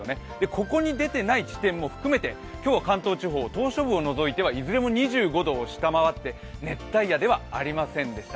ここに出ていない地点も含めて、今日は関東地方、島しょ部を除いてはいずれも２５度を下回って熱帯夜ではありませんでした。